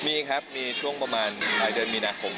มีครับมีช่วงประมาณปลายเดือนมีนาคม